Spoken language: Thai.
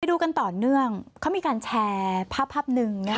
ไปดูกันต่อเนื่องเขามีการแชร์ภาพหนึ่ง